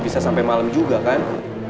bisa sampe malem juga kan